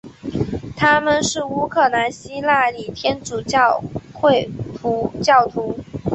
他们是乌克兰希腊礼天主教会教徒。